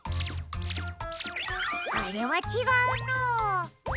あれはちがうな。